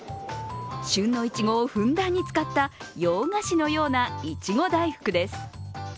旬のいちごをふんだんに使った洋菓子のような、いちご大福です。